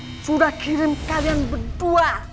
saya sudah kirim kalian berdua